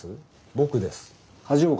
僕です。